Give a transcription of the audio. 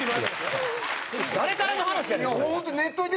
誰からの話やねんそれ。